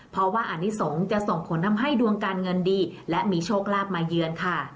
เพราะว่าอนิสงฆ์จะส่งผลทำให้ดวงการเงินดีและมีโชคลาภมาเยือนค่ะ